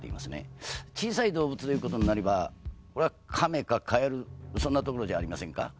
小さい動物ということになればこれは亀かカエルそんなところじゃありませんか？